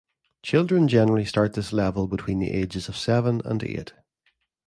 Children generally start this level between the ages of seven and eight.